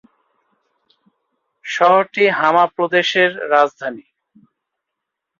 শহরটি হামা প্রদেশের রাজধানী।